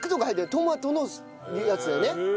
トマトのやつだよね。